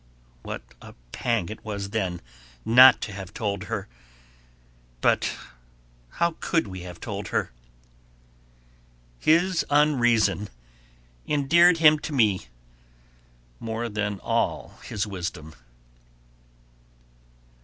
What a pang it was then not to have told her, but how could we have told her? His unreason endeared him to me more than all his wisdom.